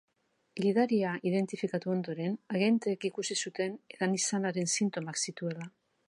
Gidaria identifikatu ondoren, agenteek ikusi zuten edan izanaren sintomak zituela.